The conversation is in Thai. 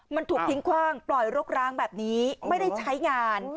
มันถูกทิ้งคว่างปล่อยรกร้างแบบนี้ไม่ได้ใช้งาน